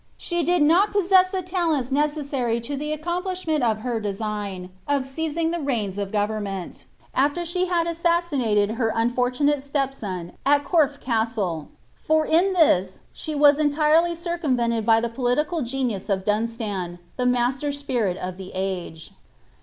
She did not possess ■Hie Ittleiild necessary to the accomplishmenl of her design, of EcizJn^ Kihe reins of government, nJler she had assassinated her unfottunale ■ptep son St Corle Custlo: lur in this she was entirely circumvented by Ttte pohlicnl genius of Duiislan, the master spirit of (he age.